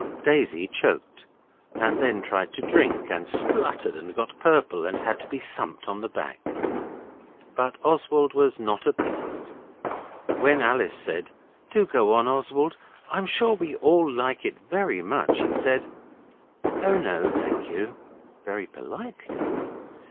Daisy choked and then tried to drink, and spluttered and got purple, and had to be thumped on the back. But Oswald was not appeased. When Alice said, 'Do go on, Oswald. I'm sure we all like it very much,' he said 'Oh, no, thank you,' very politely.